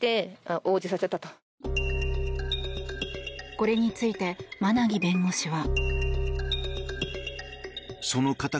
これについて馬奈木弁護士は。